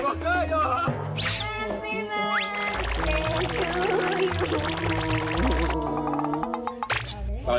แม่สินะแม่ชิคกี้พาย